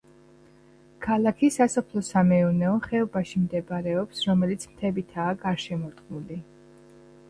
ქალაქი სასოფლო-სამეურნეო ხეობაში მდებარეობს, რომელიც მთებითაა გარშემორტყმული.